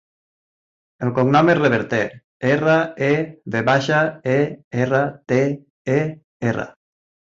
El cognom és Reverter: erra, e, ve baixa, e, erra, te, e, erra.